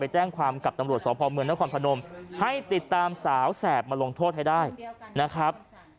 แจ้งความกับตำรวจสพเมืองนครพนมให้ติดตามสาวแสบมาลงโทษให้ได้นะครับ